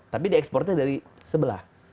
jadi eksportnya dari sebelah